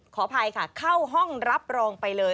ขออภัยค่ะเข้าห้องรับรองไปเลย